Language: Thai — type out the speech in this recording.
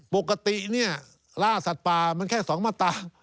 ปกติเนี่ยล่าสัตว์ป่ามันแค่๒มาตรา